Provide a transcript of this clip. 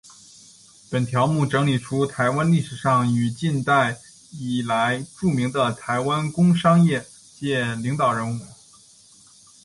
本条目整理出台湾历史上与近代以来著名的台湾工商业界领导人物。